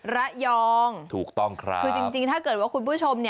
ระยองถูกต้องครับคือจริงถ้าเกิดว่าคุณผู้ชม